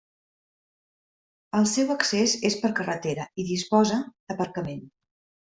El seu accés és per carretera i disposa d'aparcament.